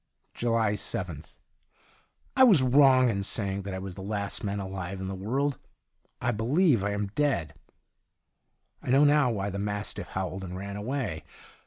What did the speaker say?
Julij Ilk. — I was wrong in saying that I Avas the last man alive in the world. I believe I am dead. I know now why the mastiff howled and ran away.